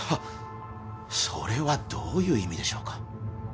それはどういう意味でしょうか？